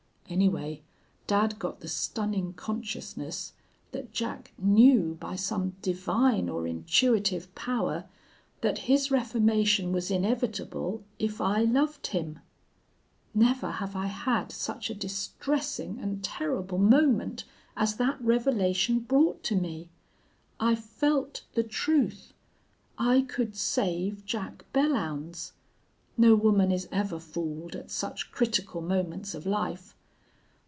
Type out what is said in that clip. Anyway, dad got the stunning consciousness that Jack knew by some divine or intuitive power that his reformation was inevitable, if I loved him. Never have I had such a distressing and terrible moment as that revelation brought to me! I felt the truth. I could save Jack Belllounds. No woman is ever fooled at such critical moments of life.